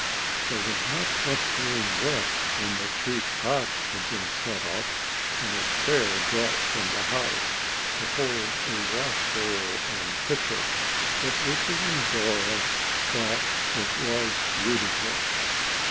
There was not much room left when the three cots had been set up and a chair brought from the house to hold a wash bowl and pitcher, but Lucy and Dora thought it was beautiful.